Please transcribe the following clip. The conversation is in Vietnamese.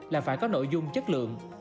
là phải có nội dung chất lượng